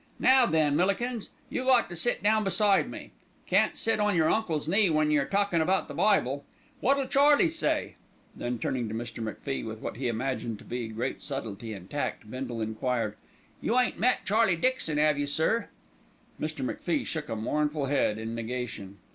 Now then, Millikins, you got to sit down beside me. Can't sit on your uncle's knee when we're talkin' about the Bible. Wot'll Charlie say?" Then turning to Mr. MacFie with what he imagined to be great subtlety and tact, Bindle enquired, "You ain't met Charlie Dixon, 'ave you, sir?" Mr. MacFie shook a mournful head in negation.